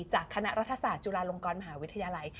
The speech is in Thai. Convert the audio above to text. จากคณะรัฐศาสตร์จุฬาลงกรมหาวิทยาลัย